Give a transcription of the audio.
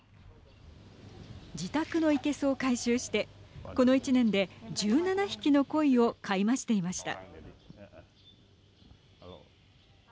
自宅のいけすを改修してこの１年で１７匹の鯉を買い増していました。